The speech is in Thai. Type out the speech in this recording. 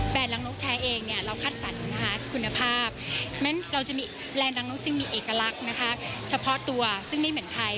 แบรนด์รังนกแท้เองเราคัดสรรคุณภาพแรงรังนกจึงมีเอกลักษณ์เฉพาะตัวซึ่งไม่เหมือนใคร